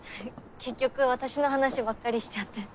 結局私の話ばっかりしちゃって。